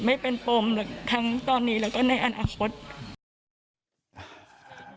ไม่เป็นปมทั้งตอนนี้แล้วก็ในอนาคต